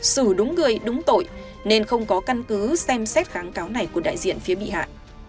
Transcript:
xử đúng người đúng tội nên không có căn cứ xem xét kháng cáo này của đại diện phía bị hại